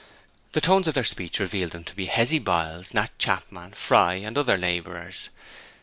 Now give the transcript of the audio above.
The tones of their speech revealed them to be Hezzy Biles, Nat Chapman, Fry, and other labourers.